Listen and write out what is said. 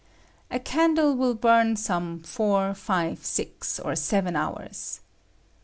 A candle will burn some fo\ir, five, sis, or seven hours.